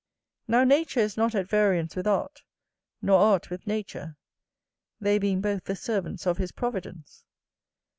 Now nature is not at variance with art, nor art with nature; they being both the servants of his providence.